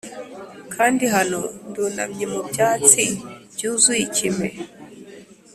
kandi hano ndunamye mu byatsi byuzuye ikime,